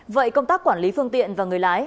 vậy công tác quản lý phương tiện và người lái